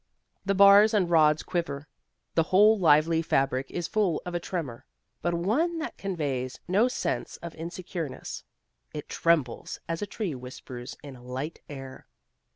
The bars and rods quiver, the whole lively fabric is full of a tremor, but one that conveys no sense of insecureness. It trembles as a tree whispers in a light air.